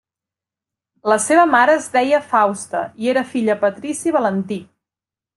La seva mare es deia Fausta i era filla patrici Valentí.